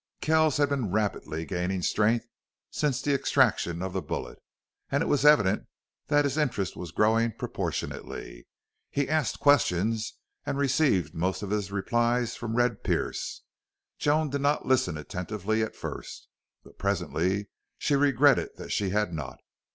Kells had been rapidly gaining strength since the extraction of the bullet, and it was evident that his interest was growing proportionately. He asked questions and received most of his replies from Red Pearce. Joan did not listen attentively at first, but presently she regretted that she had not.